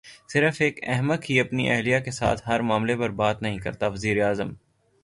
صرف ایک احمق ہی اپنی اہلیہ کے ساتھ ہر معاملے پر بات نہیں کرتا وزیراعظم